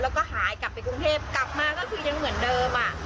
แล้วก็หายกลับไปกรุงเทพกลับมาก็คือยังเหมือนเดิมอ่ะ